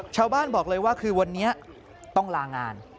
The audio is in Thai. ชาวบ้านบอกเลยว่าคือวันนี้ต้องลางาน